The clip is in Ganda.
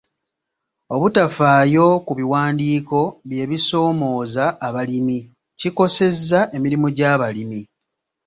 Obutafaayo ku biwandiiko by'ebisoomooza abalimi kikosezza emirimu gy'abalimi.